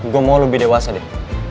gue mau lebih dewasa deh